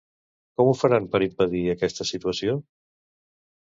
Com ho faran per impedir aquesta situació?